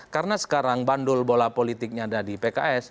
karena sekarang bandul bola politiknya ada di pks